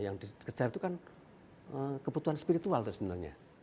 yang dikejar itu kan kebutuhan spiritual itu sebenarnya